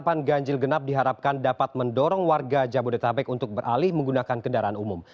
penerapan ganjil genap diharapkan dapat mendorong warga jabodetabek untuk beralih menggunakan kendaraan umum